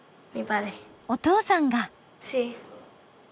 お父さんが！